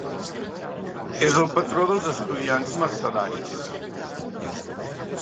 És el patró dels estudiants mercedaris.